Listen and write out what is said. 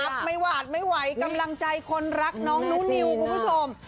ไม่หวาดไม่ไหวกำลังใจคนรักน้องหนูนิวคุณผู้ชม